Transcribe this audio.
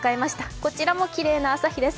こちらもきれいな朝日です。